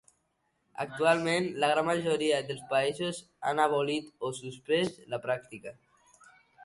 Actualment, la gran majoria dels països ha abolit o suspès la pràctica.